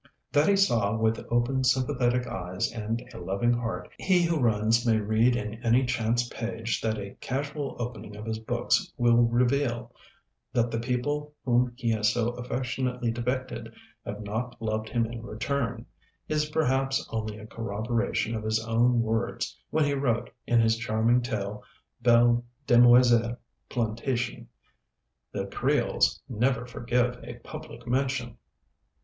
That he saw with open sympathetic eyes and a loving heart, he who runs may read in any chance page that a casual opening of his books will reveal. That the people whom he has so affectionately depicted have not loved him in return, is perhaps only a corroboration of his own words when he wrote, in his charming tale 'Belles Demoiselles Plantation,' "The Creoles never forgive a public mention."